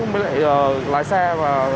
với lại lái xe